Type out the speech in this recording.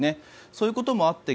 そういうこともあって